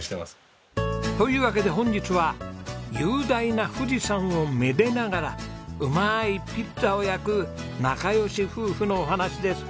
というわけで本日は雄大な富士山をめでながらうまいピッツァを焼く仲良し夫婦のお話です。